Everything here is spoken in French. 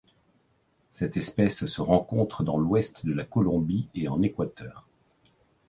Cette espèce se rencontre dans l'ouest de la Colombie et en Équateur.